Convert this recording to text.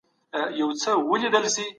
په روغتونونو کي باید درمل وي.